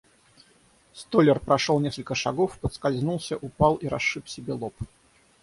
Столяр прошел несколько шагов, поскользнулся, упал и расшиб себе лоб.